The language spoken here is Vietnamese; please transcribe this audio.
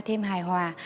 thêm hài hòa